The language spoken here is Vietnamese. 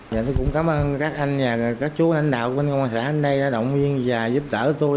và tôi cũng cảm ơn các anh và các chú lãnh đạo của công an xã ở đây đã động viên và giúp đỡ tôi